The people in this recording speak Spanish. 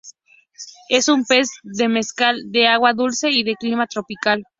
Es un pez demersal, de agua dulce y de clima tropical.